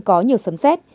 có nhiều xấm xét